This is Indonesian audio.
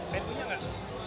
batman punya gak